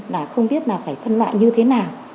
là không biết là phải phân loại như thế nào